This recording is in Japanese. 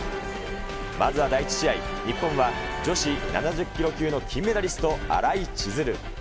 まずは第１試合、日本は女子７０キロ級の金メダリスト、新井千鶴。